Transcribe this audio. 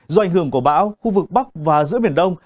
do ảnh hưởng của bão khu vực bắc và giữa biển đông